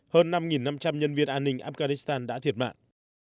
hơn năm năm trăm linh nhân viên an ninh afghanistan đã thiệt mạng